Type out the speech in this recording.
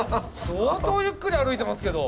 相当ゆっくり歩いてますけど。